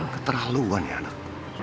keterlaluan ya anak